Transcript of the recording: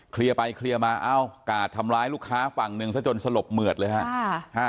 ไปเคลียร์มาเอ้ากาดทำร้ายลูกค้าฝั่งหนึ่งซะจนสลบเหมือดเลยฮะ